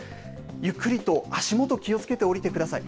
ゆっくりと足もと、気をつけて降りてください。